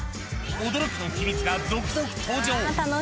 驚きの秘密が続々登場。